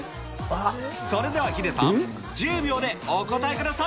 それではヒデさん、１０秒でお答えください。